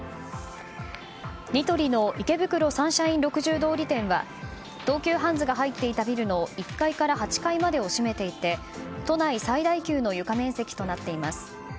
ニトリの池袋サンシャイン６０通り店は東急ハンズが入っていたビルの１階から８階までを占めていて都内最大級の床面積となっています。